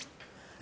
え？